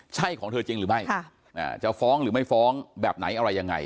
ใช่ของเธอจริงหรือไม่จะฟ้องหรือไม่ฟ้องแบบไหนอะไรยังไง